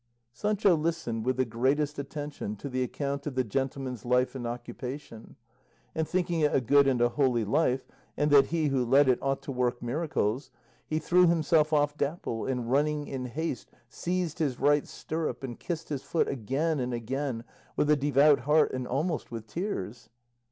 Sancho listened with the greatest attention to the account of the gentleman's life and occupation; and thinking it a good and a holy life, and that he who led it ought to work miracles, he threw himself off Dapple, and running in haste seized his right stirrup and kissed his foot again and again with a devout heart and almost with tears.